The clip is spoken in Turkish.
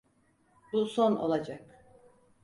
Bu son olacak.